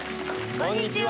こんにちは！